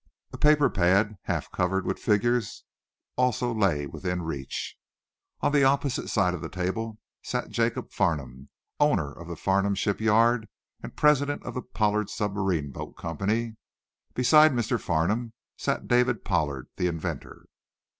A paper pad, half covered with figures, also lay within reach. On the opposite side of the table sat Jacob Farnum, owner of the Farnum shipyard and president of the Pollard Submarine Boat Company. Beside Mr. Farnum sat David Pollard, the inventor.